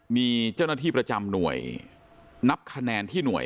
มีเจ้าหน้าที่ประจำหน่วยนับคะแนนที่หน่วย